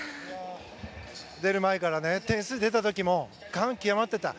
出る前から点数出た時も感極まってた。